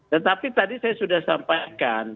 tetapi tadi saya sudah sampaikan